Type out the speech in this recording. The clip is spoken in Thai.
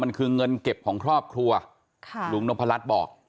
มันคือเงินเก็บของครอบครัวค่ะลุงนพรัชบอก